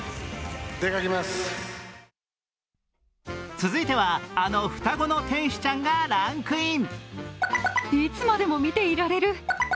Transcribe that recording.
続いてはあの双子の天使ちゃんがランクイン。